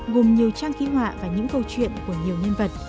gồm nhiều trang ký họa và những câu chuyện của nhiều nhân vật